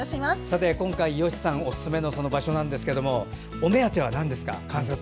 今回、よしさんおすすめの場所なんですがお目当ては何ですか？